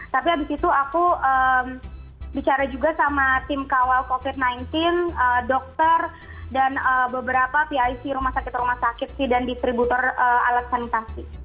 tapi abis itu aku bicara juga sama tim kawal covid sembilan belas dokter dan beberapa pic rumah sakit rumah sakit sih dan distributor alat sanitasi